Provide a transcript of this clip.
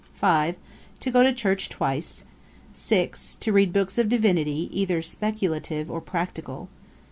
'5. To go to church twice. '6. To read books of Divinity, either speculative or practical.